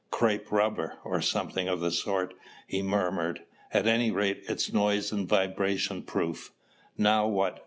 "Crepe rubber, or something of the sort," he murmured. "At any rate, it's noise and vibration proof." "Now what?"